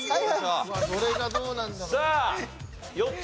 どれがどうなんだろう？